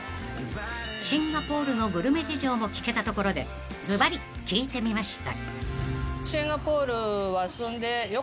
［シンガポールのグルメ事情も聞けたところでずばり聞いてみました］